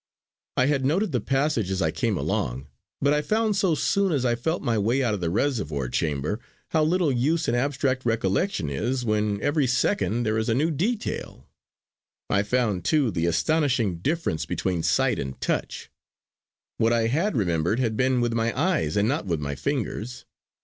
I had noted the passage as I came along, but I found so soon as I had felt my way out of the reservoir chamber, how little use an abstract recollection is when every second there is a new detail. I found, too, the astonishing difference between sight and touch; what I had remembered had been with my eyes and not with my fingers.